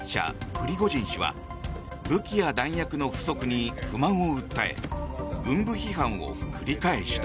プリゴジン氏は武器や弾薬の不足に不満を訴え軍部批判を繰り返した。